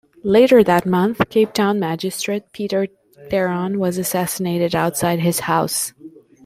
Later that month, Cape Town magistrate, Pieter Theron was assassinated outside his house.